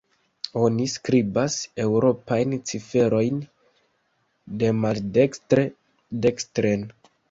Oni skribas eŭropajn ciferojn demaldekstre-dekstren.